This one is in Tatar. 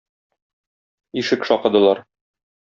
Ишек шакыдылар.